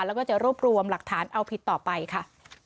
แล้วก็จะรวบรวมหลักฐานเอาผิดต่อไปค่ะ